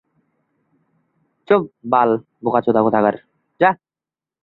মহান যুদ্ধের কারণে তার প্রথম-শ্রেণীর খেলোয়াড়ী জীবনের সমাপ্তি ঘটে।